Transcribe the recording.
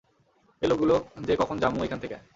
এই লোকগুলা যে কখন যামু এইখান থেইক্যা?